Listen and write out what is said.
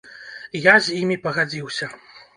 Я з імі пагадзіўся.